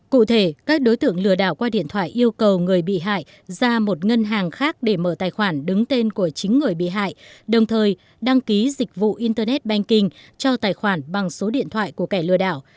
cụ thể các đối tượng lừa đảo qua điện thoại yêu cầu người bị hại ra một ngân hàng khác để mở tài khoản đứng tên của chính người bị hại đồng thời đăng ký dịch vụ internet banking cho tài khoản bằng số điện thoại của kẻ lừa đảo